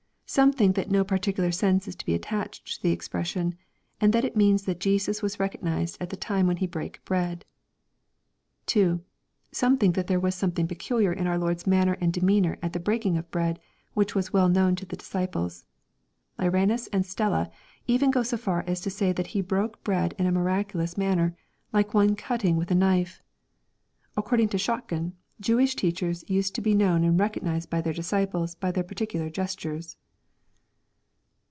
Some think that no particular sense is to be attached to the expression, and that it means that Jesus was recognized at the time when He brake bread. 2. Some think that there was something peculiar in our Lord's manner and demeanor at breaking of bread, which was well known to the disciples. Lyranus and Stella even go so far as to say that He. broke bread in a miraculous manner, like one cutting with a knife. According to Schottgen, Jewish teachers used to be known and recognized by their disciples by their peculiar gestures.